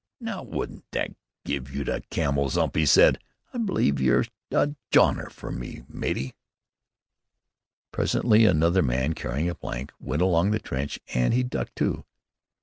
"Now, wouldn't that give you the camel's 'ump?" he said. "I believe you're a Joner to me, matey." Presently another man carrying a plank went along the trench and he ducked, too.